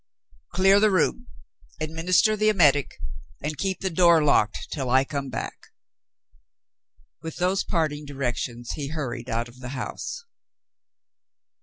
Clear the room, administer the emetic, and keep the door locked till I come back." With those parting directions he hurried out of the house.